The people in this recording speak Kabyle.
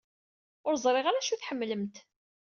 Ur ẓṛiɣ ara acu i tḥemmlemt.